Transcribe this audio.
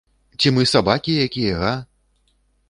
Ці мы сабакі якія, га?